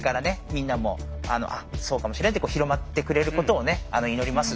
みんなもあっそうかもしれないって広まってくれることを祈ります